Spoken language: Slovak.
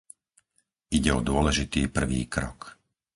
Ide o dôležitý prvý krok.